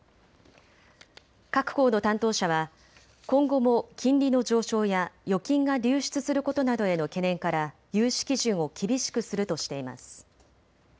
各行の担当者は今後も金利の上昇や預金が流出することなどへの懸念から融資基準を厳しくするとしています。